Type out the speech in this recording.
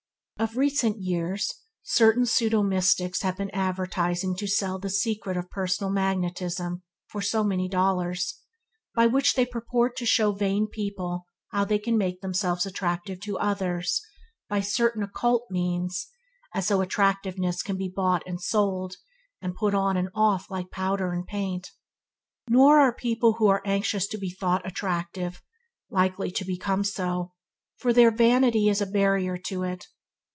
Of recent years certain pseudomystics have been advertising to sell the secret of "personal magnetism" for so many dollars, by which they purport to show vain people how they can make themselves attractive to others by certain "occult" means as though attractiveness can be brought and sold, and put on and off like powder and paint. Nor are people who are anxious to be thought attractive, likely to become so, for their vanity is a barrier to it.